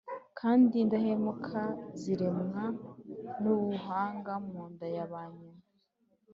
kandi indahemuka ziremanwa nubuhanga mu nda ya ba nyina